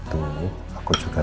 apapun itu aku juga tau